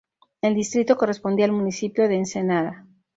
El distrito correspondía al municipio de Ensenada.